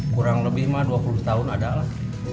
kurang lebih dua puluh tahun ada lah